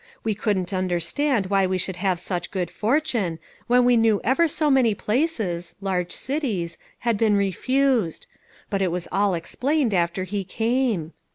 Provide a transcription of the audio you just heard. We couldn't understand why we should have such good fortune, when we knew ever so many places large cities had been refused ; but it was all explained after he came.